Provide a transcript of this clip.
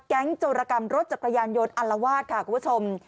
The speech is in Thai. โจรกรรมรถจักรยานยนต์อัลวาสค่ะคุณผู้ชม